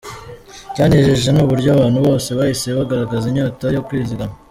Icyanejeje ni uburyo abantu bose bahise bagaragaza inyota yo kwizigama.